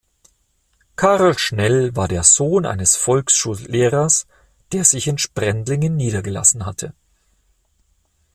Karl Schnell war der Sohn eines Volksschullehrers, der sich in Sprendlingen niedergelassen hatte.